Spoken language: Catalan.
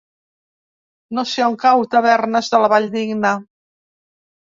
No sé on cau Tavernes de la Valldigna.